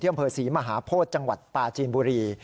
เที่ยวเมืองเผอร์ศรีมหาโพธิ์จังหวัดป่าจีนบุรี